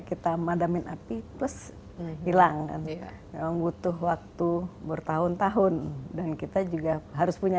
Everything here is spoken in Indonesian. kita madamin api terus hilang kan memang butuh waktu bertahun tahun dan kita juga harus punya